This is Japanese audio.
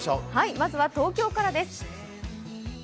まずは東京からです。